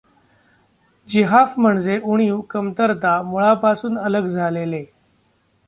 ज़िहाफ म्हणजे उणीव, कमतरता, मुळापासून अलग झालेले.